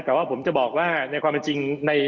แต่ว่าผมจะบอกว่าในความจริงใน